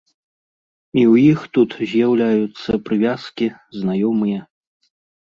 І ў іх тут з'яўляюцца прывязкі, знаёмыя.